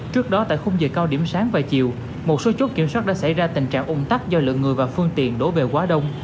trước đó tại khung giờ cao điểm sáng và chiều một số chốt kiểm soát đã xảy ra tình trạng ung tắc do lượng người và phương tiện đổ về quá đông